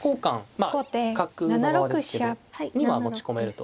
まあ角ですけどには持ち込めると。